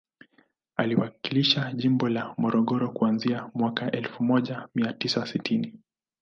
Aliwakilisha jimbo ya Morogoro kuanzia mwaka elfu moja mia tisa sitini